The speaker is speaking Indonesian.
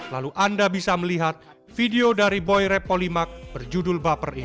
lalu anda bisa melihat video dari boy rap polimak berjudul baper ini